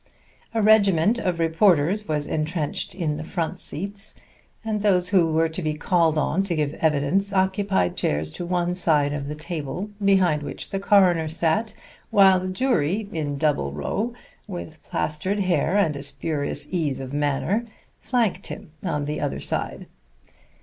A regiment of reporters was entrenched in the front seats, and those who were to be called on to give evidence occupied chairs to one side of the table behind which the coroner sat, while the jury, in double row, with plastered hair and a spurious ease of manner, flanked him on the other side.